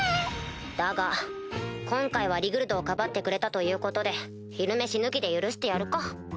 だが今回はリグルドをかばってくれたということで昼飯抜きで許してやるか。